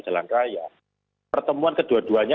jalan raya pertemuan kedua duanya